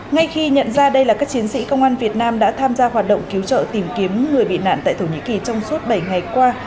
ngay khi nhận ra đây là các chiến sĩ công an việt nam đã tham gia hoạt động cứu trợ tìm kiếm người bị nạn tại thổ nhĩ kỳ trong suốt bảy ngày qua